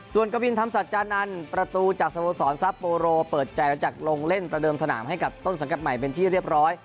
ส่วนกวินธรรมสัจจานันทร์ประตูจากสโมสรซับโปโรเปิดใจหลังจากลงเล่นประเดิมสนามให้กับต้นสังกัดใหม่เป็นที่เรียบร้อย